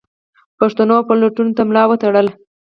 پوښتنو او پلټنو ته ملا وتړله.